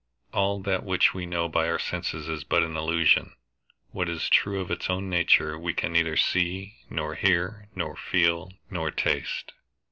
All that which we know by our senses is but an illusion. What is true of its own nature, we can neither see, nor hear, nor feel, nor taste.